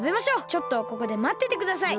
ちょっとここでまっててください。